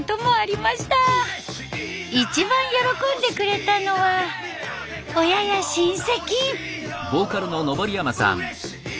一番喜んでくれたのは親や親戚。